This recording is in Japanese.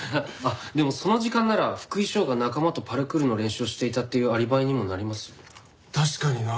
あっでもその時間なら福井翔が仲間とパルクールの練習をしていたっていうアリバイにもなりますよね？